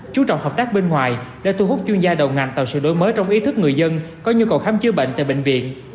chú trọng hợp tác bên ngoài để thu hút chuyên gia đầu ngành tạo sự đổi mới trong ý thức người dân có nhu cầu khám chữa bệnh tại bệnh viện